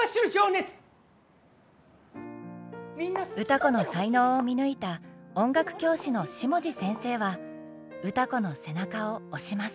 歌子の才能を見抜いた音楽教師の下地先生は歌子の背中を押します。